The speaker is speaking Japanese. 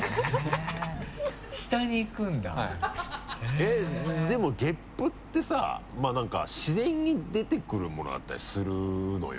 えっでもゲップってさまぁなんか自然に出てくるものだったりするのよ。